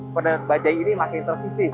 pada bajaj ini makin tersisi